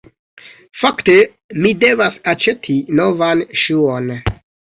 Fakte, mi devas aĉeti novan ŝuon